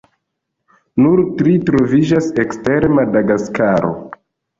Nur tri troviĝas ekster Madagaskaro.